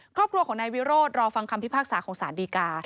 ครอบครัวของนายวิโรธรอฟังคำพิพากษาของสารดีกา